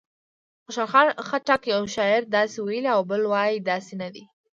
خوشحال خټک یو شعر داسې ویلی او بل وایي داسې نه دی.